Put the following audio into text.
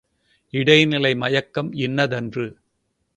இடைநிலை மயக்கம் இன்னதன்று.